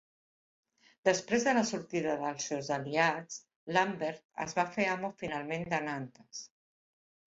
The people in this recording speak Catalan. Després de la sortida dels seus aliats, Lambert es va fer amo finalment de Nantes.